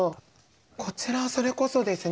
こちらそれこそですね